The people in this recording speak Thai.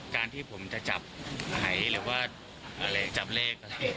การที่ผมจะจับไหนหรือหรือจับเลข